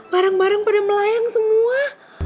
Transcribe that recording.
barang barang pada melayang semua